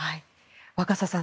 若狭さん